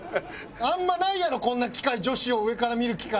あんまないやろこんな機会女子を上から見る機会。